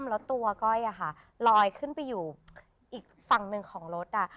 แล้วตัวก้อยอะค่ะลอยขึ้นไปอยู่อีกฝั่งหนึ่งของรถ